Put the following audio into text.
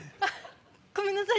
ごめんなさい！